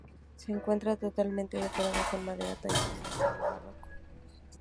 Se encuentra totalmente decorada con madera tallada en estilo barroco.